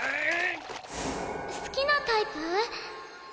好きなタイプ？